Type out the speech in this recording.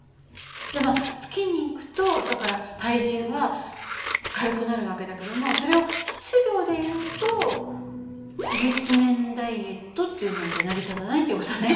じゃまあ月に行くとだから体重は軽くなる訳だけどもそれを質量でいうと月面ダイエットっていうのはじゃ成り立たないっていう事ね。